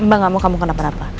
mbak gak mau kamu kenapa